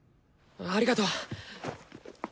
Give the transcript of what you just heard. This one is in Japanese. ありがとう！